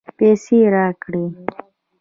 پیسې راکړې.